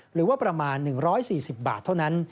หรือว่าประมาณ๑๔๐บาทเท่านั้น